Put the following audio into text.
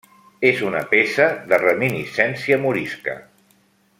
És una peça de reminiscència morisca.